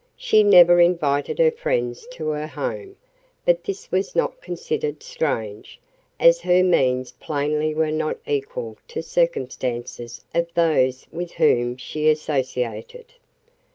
She never invited her friends to her home, but this was not considered strange, as her means plainly were not equal to the circumstances of those with whom she associated.